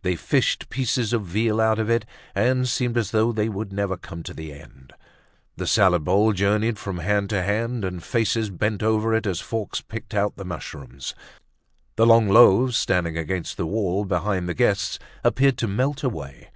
They fished pieces of veal out of it and seemed as though they would never come to the end; the salad bowl journeyed from hand to hand and faces bent over it as forks picked out the mushrooms. The long loaves standing against the wall behind the guests appeared to melt away.